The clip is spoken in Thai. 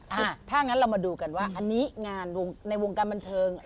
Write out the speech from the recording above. ถ้างั้นเรามาดูกันว่าอันนี้งานในวงการบันเทิง